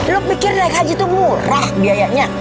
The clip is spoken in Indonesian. lo pikir naik haji itu murah biayanya